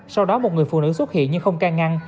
sau đó một người phụ nữ xuất hiện nhưng không ca ngăn